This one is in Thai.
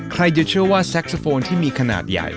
ใครจะเชื่อว่าแซ็กโซโฟนที่มีขนาดใหญ่